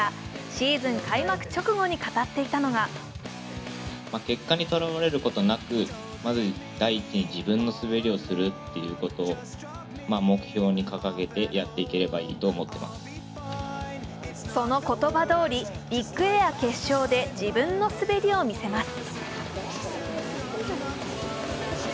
シーズン開幕直後に語っていたのがその言葉どおり、ビッグエア決勝で自分の滑りを見せます。